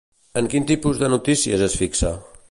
En quin tipus de notícies es fixa?